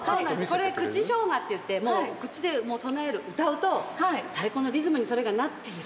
これ、口唱歌っていって口で唱える、歌うと太鼓のリズムにそれがなっている。